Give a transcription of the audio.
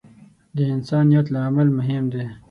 د انسان نیت له عمل مهم دی.